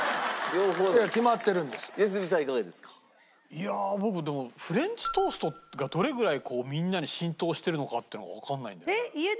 いや僕でもフレンチトーストがどれぐらいみんなに浸透してるのかっていうのがわかんないんだよな。